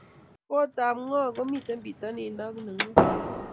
Kootab ngo komito bitonin ago nengung?